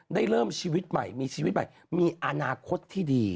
เริ่มชีวิตใหม่มีชีวิตใหม่มีอนาคตที่ดี